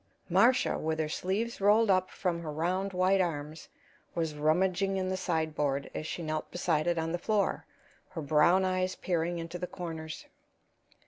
Marcia, with her sleeves rolled up from her round white arms, was rummaging in the sideboard, as she knelt beside it on the floor, her brown eyes peering into the corners.